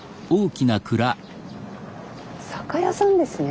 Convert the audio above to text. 酒屋さんですね。